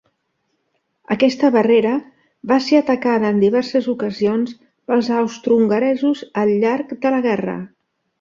Aquesta barrera va ser atacada en diverses ocasions pels austrohongaresos al llarg de la guerra.